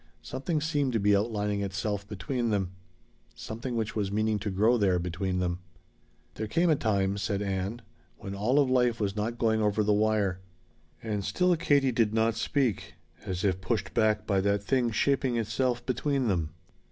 Something seemed to be outlining itself between them. Something which was meaning to grow there between them. "There came a time," said Ann, "when all of life was not going over the wire." And still Katie did not speak, as if pushed back by that thing shaping itself between them.